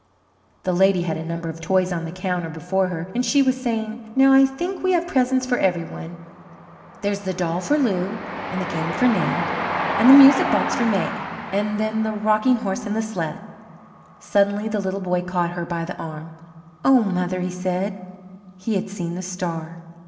The lady had a number of toys on the counter before her, and she was saying: "Now I think we have presents for every one: There's the doll for Lou, and the game for Ned, and the music box for May; and then the rocking horse and the sled." Suddenly the little boy caught her by the arm. "Oh, mother," he said. He had seen the star.